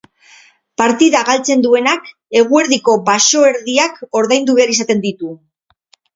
Partida galtzen duenak, eguerdiko baxoerdiak ordaindu behar izaten ditu.